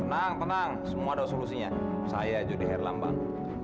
tenang tenang semua ada solusinya saya judi herlambang